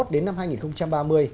đến năm hai nghìn ba mươi